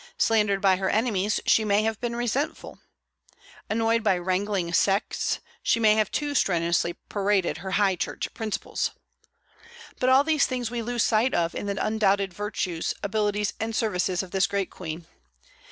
Slandered by her enemies, she may have been resentful. Annoyed by wrangling sects, she may have too strenuously paraded her high church principles. But all these things we lose sight of in the undoubted virtues, abilities, and services of this great Queen.